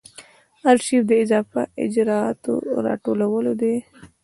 آرشیف د اضافه اجرااتو راټولول دي.